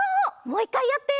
もう１かいやって！